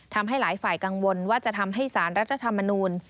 ทำให้หลายฝ่ายกังวลว่าจะทำให้สารรัฐธรรมนูล